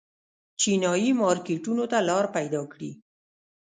چینايي مارکېټونو ته لار پیدا کړي.